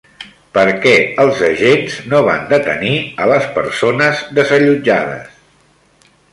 Per què els agents no van detenir a les persones desallotjades?